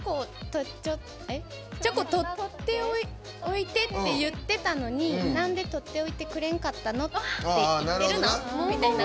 チョコとっておいてって言ってたのになんでとっておいてくれんかったの？って言ってるのみたいな。